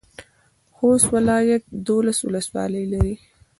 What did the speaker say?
خوست ولایت دولس ولسوالۍ لري.